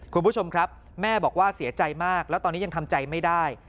คุณผู้ชมครับแม่บอกว่าเสียใจมากแล้วตอนนี้ยังทำใจไม่ได้